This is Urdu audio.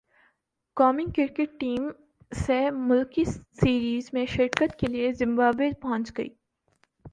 قومی کرکٹ ٹیم سہ ملکی سیریز میں شرکت کے لیے زمبابوے پہنچ گئی